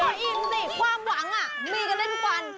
ก็อินสิความหวังมีกันเล่นทุกวัน